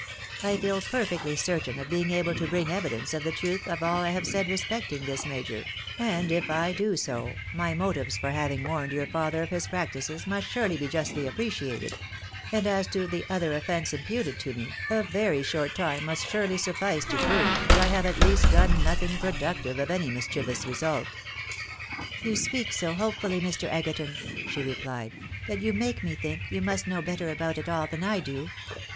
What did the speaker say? " I feel perfectly certain of being able to bring evidence of the truth of all I have said respecting this major, and if I do so, my motives for having warned your father of his practices, must surely be justly appreciated ; and as to the other offence imputed to me, a very short time must surely suffice to prove that I have at least done nothing productive of any mischievous result." " You speak so hopefully, Mr. Egerton," she replied, " that you make me think you must know better about it all than I do.